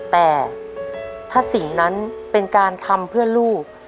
แต่ถ้าสิ่งนั้นเป็นการทำเพื่อลูก